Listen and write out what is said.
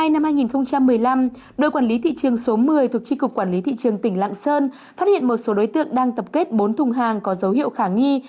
ngày một mươi sáu tháng một mươi hai năm hai nghìn một mươi năm đội quản lý thị trường số một mươi thuộc tri cục quản lý thị trường tỉnh lạng sơn phát hiện một số đối tượng đang tập kết bốn thùng hàng có dấu hiệu khả nghi